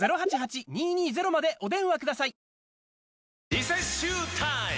リセッシュータイム！